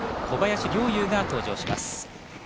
小林陵侑が登場します。